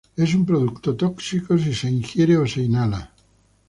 Es un producto tóxico si de ingiere o se inhala.